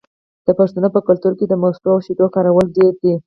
د پښتنو په کلتور کې د مستو او شیدو کارول ډیر دي.